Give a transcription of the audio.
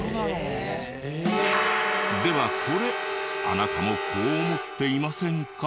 ではこれあなたもこう思っていませんか？